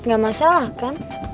gak masalah kan